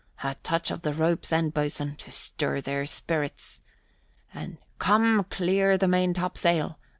A touch of the rope's end, boatswain, to stir their spirits!" And "Come, clear the main topsail!